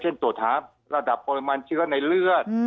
เช่นตรวจท้าระดับโปรแมนเชื้อในเลือด